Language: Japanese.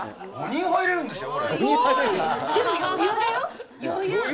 ５人入れるんですよ。